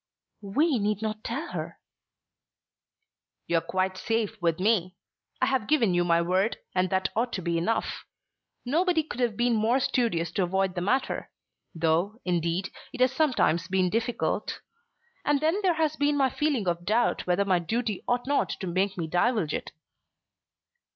"We need not tell her." "You are quite safe with me. I have given you my word, and that ought to be enough. Nobody could have been more studious to avoid the matter; though, indeed, it has sometimes been difficult. And then there has been my feeling of doubt whether my duty ought not to make me divulge it."